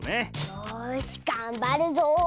よしがんばるぞ！